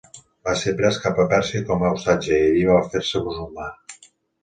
Va ser pres cap a Pèrsia com a ostatge i allí va fer-se musulmà.